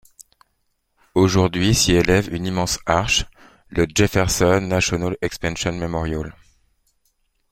Aujourd'hui s'y élève une immense arche, le Jefferson National Expansion Memorial.